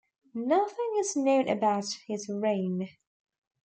Nothing is known about his reign.